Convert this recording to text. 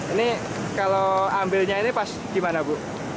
ini kalau ambilnya ini pas gimana bu